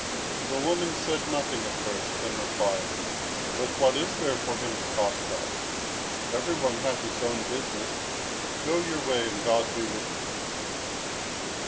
The woman said nothing at first, then replied: "But what is there for him to talk about? Every one has his own business. Go your way, and God be with you."